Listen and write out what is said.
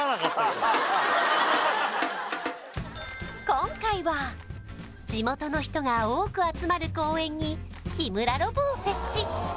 今回は地元の人が多く集まる公園に日村ロボを設置